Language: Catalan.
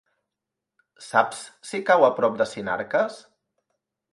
Saps si cau a prop de Sinarques?